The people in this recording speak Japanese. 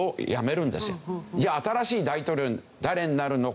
じゃあ新しい大統領誰になるのか？